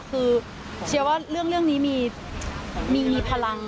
คือเชื่อว่าเรื่องนี้มีพลังของคนที่มีความหวังดี